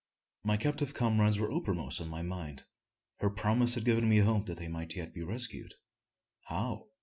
My captive comrades were uppermost in my mind. Her promise had given me hope that they might yet be rescued. How?